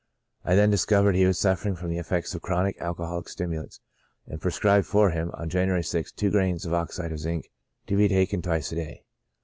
I then discovered he was suffering from the effects of alcoholic stimulants, and prescribed for him, on January 6th, two grains of oxide ■ of zinc to be taken twice a day.